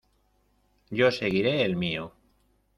yo seguiré el mío.